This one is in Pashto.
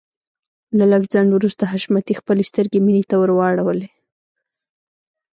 له لږ ځنډ وروسته حشمتي خپلې سترګې مينې ته واړولې.